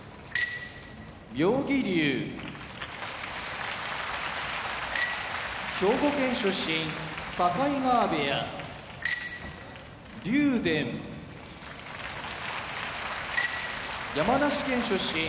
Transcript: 妙義龍兵庫県出身境川部屋竜電山梨県出身